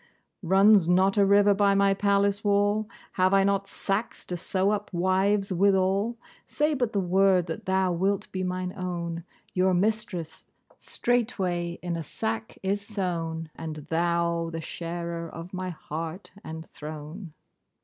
Runs not a river by my palace wall? Have I not sacks to sew up wives withal? Say but the word, that thou wilt be mine own, your mistress straightway in a sack is sewn, and thou the sharer of my heart and throne.